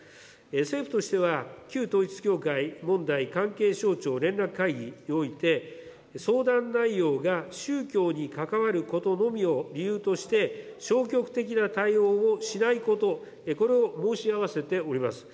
政府としては、旧統一教会問題関係省庁連絡会議において、相談内容が宗教に関わることのみを理由として、消極的な対応をしないこと、これを申し合わせております。